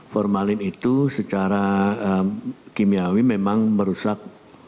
formalin itu secara kimiawi memang merusak